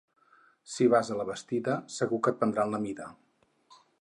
Si vas a la Bastida, segur que et prendran la mida.